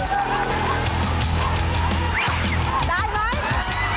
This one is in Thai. กลับมา